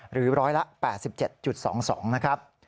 หรือร้อยละ๘๗๒๒นะครับ